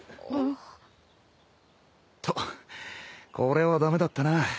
っとこれは駄目だったな。